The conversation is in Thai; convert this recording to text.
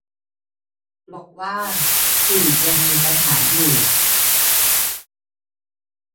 บอกว่า ฟีดยังมีปัญหาอยู่